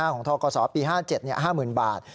ของทกศปี๕๗เนี่ย๕๐๐๐๐บาท